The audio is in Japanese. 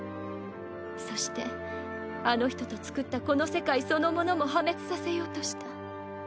そしてあの人と創ったこの世界そのものも破滅させようとした。